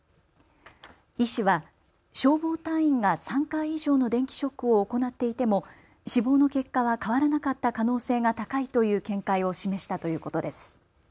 医師は消防隊員が３回以上の電気ショックを行っていても死亡の結果は変わらなかった可能性が高いという見解を示したということです。